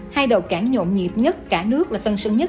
hai đầu cảng nhộn nhịp nhất cả nước là tân sơn nhất